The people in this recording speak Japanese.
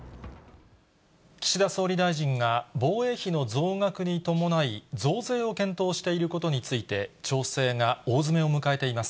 岸田総理大臣が防衛費の増額に伴い、増税を検討していることについて、調整が大詰めを迎えています。